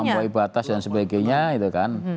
melampaui batas dan sebagainya itu kan